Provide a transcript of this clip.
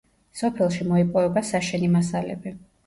სოფელში მოიპოვება საშენი მასალები.